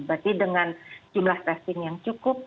berarti dengan jumlah testing yang cukup